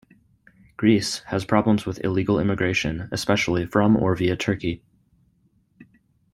Greece has problems with illegal immigration, especially from or via Turkey.